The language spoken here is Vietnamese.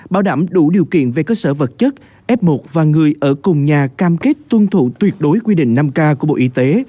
bảo đảm đủ điều kiện về cơ sở vật chất f một và người ở cùng nhà cam kết tuân thủ tuyệt đối quy định năm k của bộ y tế